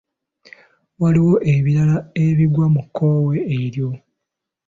Waliwo ebirala ebigwa mu kkowe eryo.